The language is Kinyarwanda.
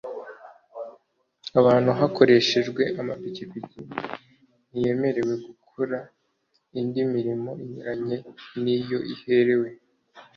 Abantu hakoreshejwe amapikipiki ntiyemerewe gukora indi mirimo inyuranye n iyo iherewe